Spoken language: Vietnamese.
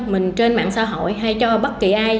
mình trên mạng xã hội hay cho bất kỳ ai